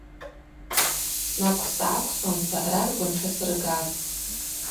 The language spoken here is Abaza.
Снаквсгӏаквсуамца раргван тшасыргатӏ.